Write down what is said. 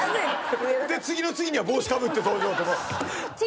次の次には帽子かぶって登場。